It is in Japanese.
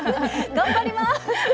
頑張ります！